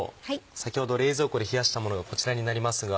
先ほど冷蔵庫で冷やしたものがこちらになりますが。